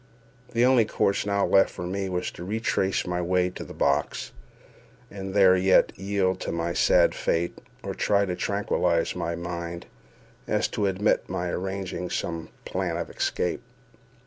The only course now left me was to retrace my way to the box, and there either yield to my sad fate, or try so to tranquilize my mind as to admit of my arranging some plan of escape.